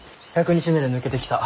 １００日目で抜けてきた。